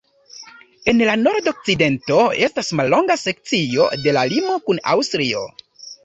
En la nordokcidento estas mallonga sekcio de la limo kun Aŭstrio.